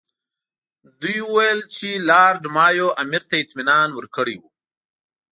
دوی وویل چې لارډ مایو امیر ته اطمینان ورکړی وو.